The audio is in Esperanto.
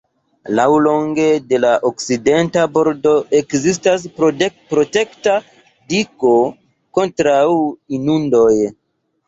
Laŭlonge de la okcidenta bordo ekzistas protekta digo kontraŭ inundoj.